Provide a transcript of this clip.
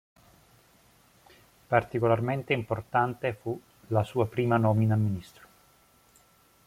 Particolarmente importante fu la sua prima nomina a ministro.